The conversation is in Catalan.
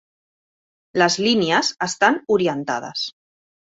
Les línies estan orientades.